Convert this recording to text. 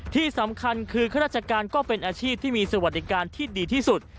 ที่สำคัญคือข้าราชการก็เป็นอาชีพที่มีสวัสดิการที่ดีที่สุด